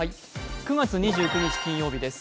９月２９日の金曜日です。